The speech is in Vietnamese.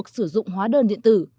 sử dụng hóa đơn điện tử